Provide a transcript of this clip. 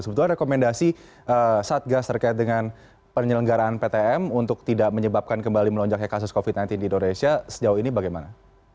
sebetulnya rekomendasi satgas terkait dengan penyelenggaraan ptm untuk tidak menyebabkan kembali melonjaknya kasus covid sembilan belas di indonesia sejauh ini bagaimana